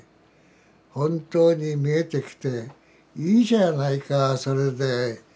本当に見えてきて「いいじゃないかそれで」。